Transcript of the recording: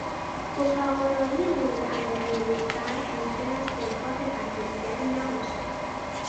اتاق آرایی مورد علاقهی یک فرد ممکن است دلخواه فرد دیگری نباشد.